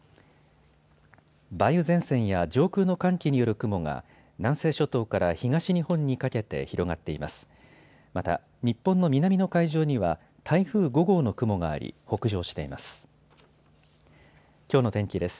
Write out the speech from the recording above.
梅雨前線や上空の寒気による雲が南西諸島から東日本にかけて広がっています。